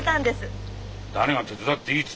誰が「手伝っていい」っつったよ。